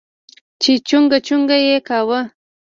چې چونگ چونگ يې کاوه.